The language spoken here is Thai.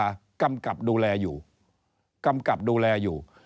เอกวิริยาชัยทรงเมตตากำกับดูแลอยู่